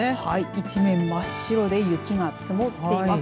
一面真っ白で雪が積もっています。